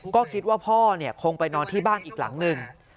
ก็คิดว่าพ่อคงไปนอนที่บ้านอีกหลังหนึ่ง